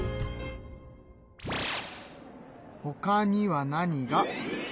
ほかには何が。